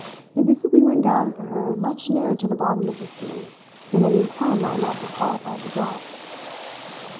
It visibly went down for her much nearer to the bottom of the sea than any plumb I might be qualified to drop.